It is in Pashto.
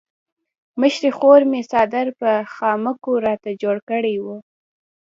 مشرې خور مې څادر په خامکو راته جوړ کړی وو.